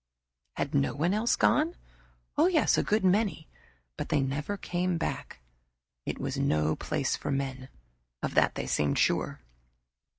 Had no one else gone? Yes a good many but they never came back. It was no place for men of that they seemed sure.